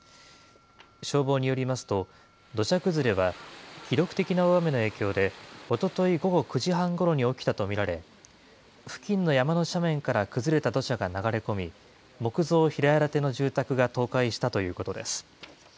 消防によりますと、土砂崩れは記録的な大雨の影響で、おととい午後９時半ごろに起きたと見られ、付近の山の斜面から崩れた土砂が流れ込み、木造平屋建ての住宅が倒壊したということです。